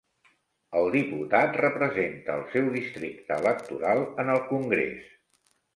El diputat representa el seu districte electoral en el Congrés.